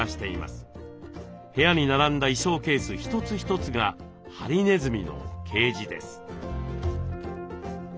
部屋に並んだ衣装ケース一つ一つがハリネズミのケージです。